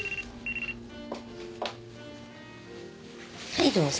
はいどうぞ。